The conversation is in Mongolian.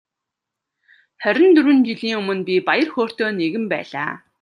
Хорин дөрвөн жилийн өмнө би баяр хөөртэй нэгэн байлаа.